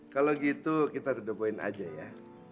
kalau gitu kita dedupoin aja ya